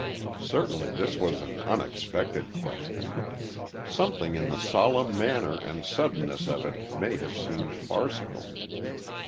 Certainly this was an unexpected question. Something in the solemn manner and suddenness of it may have seemed farcical.